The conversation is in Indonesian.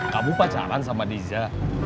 kamu pacaran sama diza